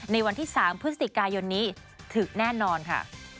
ในวันที่๓พฤศจิกายนนี้ถึงแน่นอนค่ะ